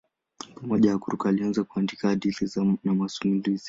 Pamoja na kuruka alianza pia kuandika hadithi na masimulizi.